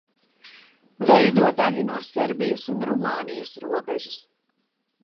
Veido daļu no Serbijas un Rumānijas robežas.